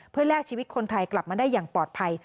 เพื่อแลกชีวิตคนไทยกลับมาได้อย่างปลอดภัย